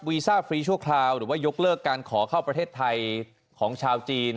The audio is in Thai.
ซ่าฟรีชั่วคราวหรือว่ายกเลิกการขอเข้าประเทศไทยของชาวจีน